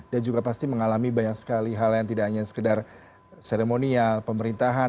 dan juga pasti mengalami banyak sekali hal yang tidak hanya sekedar seremonial pemerintahan